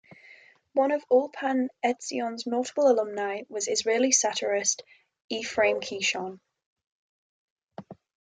One of Ulpan Etzion's notable alumni was Israeli satirist Ephraim Kishon.